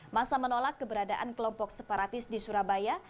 masa menolak keberadaan kelompok separatis di surabaya